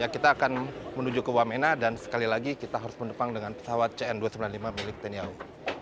kita akan menuju ke wamena dan sekali lagi kita harus menepang dengan pesawat cn dua ratus sembilan puluh lima milik tni au